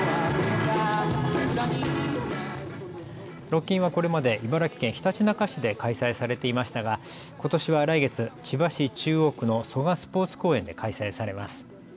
ロッキンはこれまで茨城県ひたちなか市で開催されていましたが、ことしは来月千葉市中央区の蘇我スポーツ公園で開催されます。